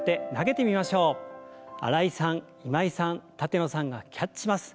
新井さん今井さん舘野さんがキャッチします。